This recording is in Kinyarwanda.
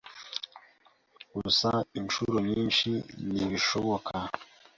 gusa inshuro nyinshi ntibishoboka